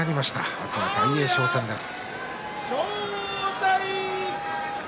明日は大栄翔戦です。